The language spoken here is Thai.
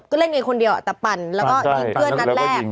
ก็เล่นเองคนเดียวแต่ปั่นแล้วก็ยิงเพื่อนนัดแรก